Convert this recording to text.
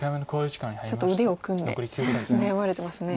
ちょっと腕を組んで悩まれてますね。